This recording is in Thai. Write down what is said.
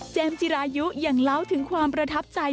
จิรายุยังเล่าถึงความประทับใจ